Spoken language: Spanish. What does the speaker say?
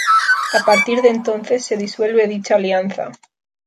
A partir de entonces se disuelve dicha alianza.